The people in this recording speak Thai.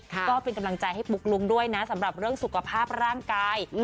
ก็เป็นกำลังใจให้ปุ๊กลุ๊กด้วยนะสำหรับเรื่องสุขภาพร่างกาย